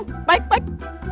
oh baik baik